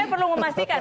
saya perlu memastikan